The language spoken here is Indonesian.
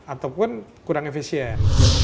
ataupun kurang efisien